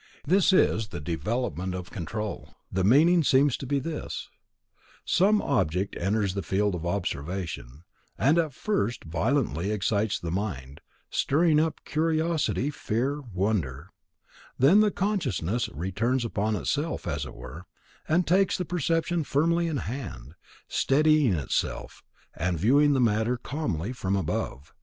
This is the development of Control. The meaning seems to be this: Some object enters the field of observation, and at first violently excites the mind, stirring up curiosity, fear, wonder; then the consciousness returns upon itself, as it were, and takes the perception firmly in hand, steadying itself, and viewing the matter calmly from above.